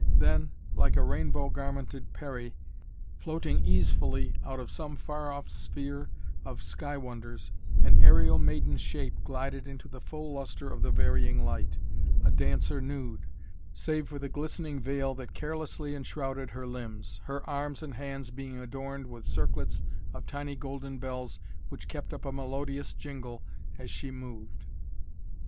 Then, like a rainbow garmented Peri, floating easefully out of some far off sphere of sky wonders, an aerial maiden shape glided into the full lustre of the varying light, a dancer nude, save for the glistening veil that carelessly enshrouded her limbs, her arms and hands being adorned with circlets of tiny golden bells which kept up a melodious jingle as she moved.